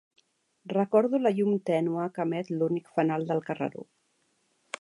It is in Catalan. Recordo la llum tènue que emet l'únic fanal del carreró.